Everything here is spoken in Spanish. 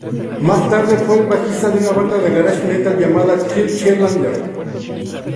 Más tarde, fue el bajista de una banda de garage metal llamada Kill Cheerleader.